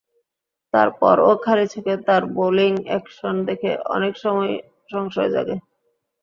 তার পরও খালি চোখে তাঁর বোলিং অ্যাকশন দেখে অনেক সময়ই সংশয় জাগে।